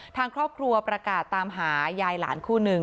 ทางครอบครัวประกาศตามหายายหลานคู่หนึ่ง